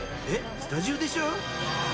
スタジオでしょ？